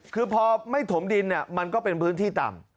คือพอไม่ถมดินมันก็เป็นพื้นที่ต่ำ